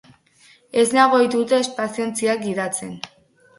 Ez nago ohituta espaziontziak gidatzen.